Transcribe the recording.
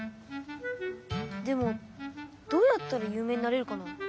でもどうやったらゆう名になれるかな？